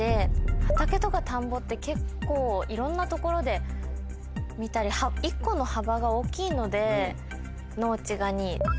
畑とか田んぼって結構いろんな所で見たり１個の幅が大きいので「農地」が２位。